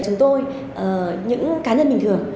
chúng tôi những cá nhân bình thường